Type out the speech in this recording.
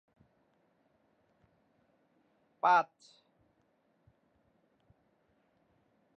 এ তথ্য যেমন অস্বাভাবিক তেমনি উদ্বেগজনক।